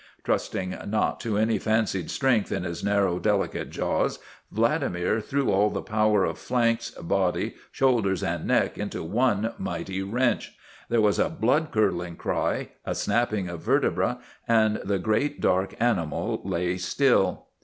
Trusting not to any fancied strength in his narrow, delicate jaws, Vladimir threw all the power of flanks, body, shoul ders, and neck into one mighty wrench. There was a blood curdling cry, a snapping of vertebrae, and the great, dark animal lay still.